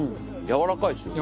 やわらかい。